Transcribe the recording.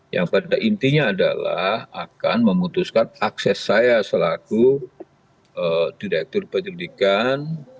yang pada intinya adalah akan memutuskan akses saya selaku direktur penyelidikan